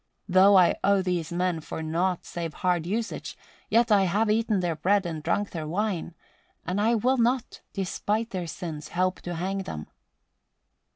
Though I owe these men for nought save hard usage, yet have I eaten their bread and drunk their wine, and I will not, despite their sins, help to hang them."